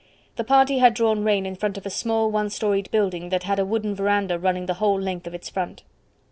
The party had drawn rein in front of a small one storied building that had a wooden verandah running the whole length of its front.